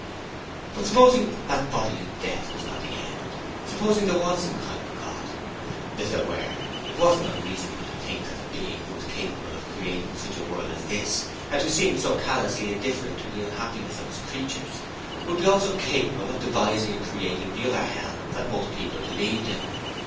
But supposing that bodily death was not the end. Suppose there was some kind of a God? If there were, it wasn't unreasonable to think that the Being who was capable of creating such a world as this and who seemed so callously indifferent to the unhappiness of His creatures, would also be capable of devising and creating the other Hell that most people believed in.